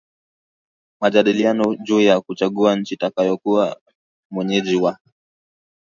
majadiliano juu ya kuchagua nchi itakayokuwa mwenyeji wa